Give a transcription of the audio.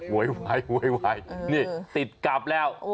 โวยวายนี่ติดกลับแล้ว